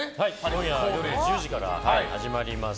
今夜１０時から始まります。